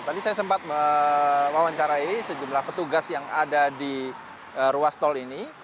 tadi saya sempat mewawancarai sejumlah petugas yang ada di ruas tol ini